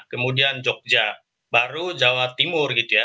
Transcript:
kemudian jogja baru jawa timur gitu ya